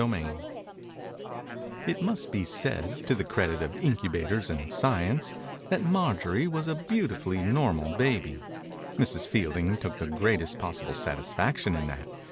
32 II It must be said, to the credit of incubators and science, that Marjorie was a beautifully nor mal baby. Mrs. Fielding took the greatest possible satisfaction in that.